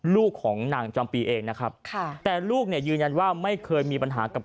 ลูกของนางจำปีเองนะครับค่ะแต่ลูกเนี่ยยืนยันว่าไม่เคยมีปัญหากับ